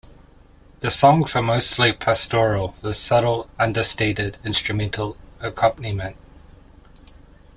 The songs are mostly pastoral, with subtle understated instrumental accompaniment.